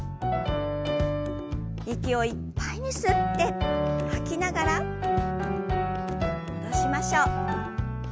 息をいっぱいに吸って吐きながら戻しましょう。